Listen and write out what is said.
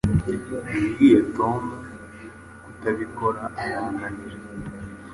Nabwiye Tom kutabikora arananira